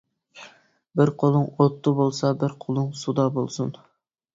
بىر قولۇڭ ئوتتا بولسا بىر قولۇڭ سۇدا بولسۇن.